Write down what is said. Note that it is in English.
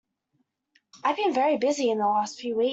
I've been very busy the last few weeks.